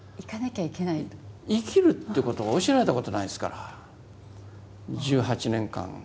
生きるっていうことを教えられたことないですから１８年間。